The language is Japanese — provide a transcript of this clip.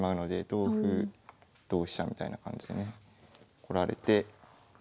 同歩同飛車みたいな感じでね来られて。